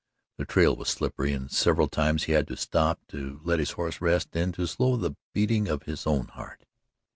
The trail was slippery and several times he had to stop to let his horse rest and to slow the beating of his own heart.